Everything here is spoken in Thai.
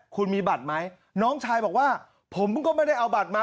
คุณมีบัตรไหมน้องชายบอกว่าผมเพิ่งก็ไม่ได้เอาบัตรมา